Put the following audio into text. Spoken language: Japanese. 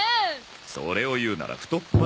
それを言うなら太っ腹よ。